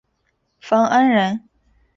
冯恩人。